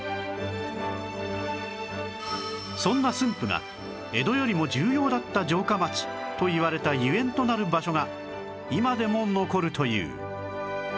そんな駿府が江戸よりも重要だった城下町といわれたゆえんとなる場所が今でも残るという